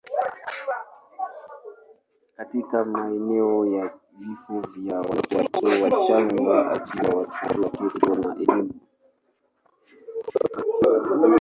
katika maeneo ya vifo vya watoto wachanga, ajira kwa watoto na elimu.